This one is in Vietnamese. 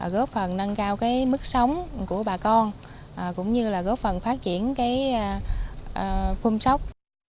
góp phần nâng cao mức sống của bà con cũng như góp phần phát triển phương sóc